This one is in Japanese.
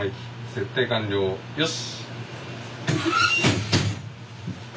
設定完了よし。